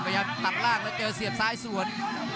พยายามตัดล่างแล้วเจอเสียบซ้ายสวน